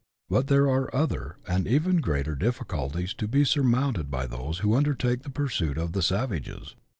But there are other, and even greater dif ficulties to be surmounted by those who undertake the pursuit of the savages.